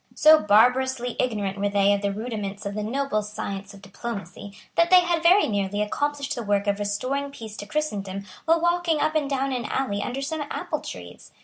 So barbarously ignorant were they of the rudiments of the noble science of diplomacy that they had very nearly accomplished the work of restoring peace to Christendom while walking up and down an alley under some apple trees.